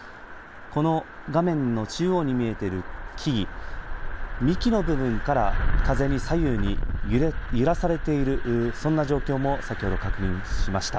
この画面の中央に見えている木々幹の部分から風に左右に揺らされている、そんな状況も先ほど確認しました。